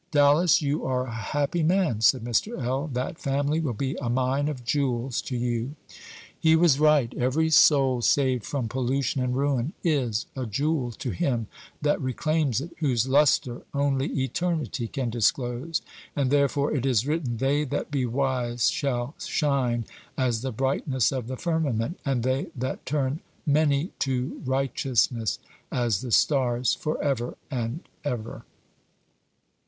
"Dallas, you are a happy man," said Mr. L.; "that family will be a mine of jewels to you." He was right. Every soul saved from pollution and ruin is a jewel to him that reclaims it, whose lustre only eternity can disclose; and therefore it is written, "They that be wise shall shine as the brightness of the firmament, and they that turn many to righteousness, as the stars forever and ever."